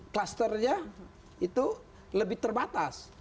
clusternya itu lebih terbatas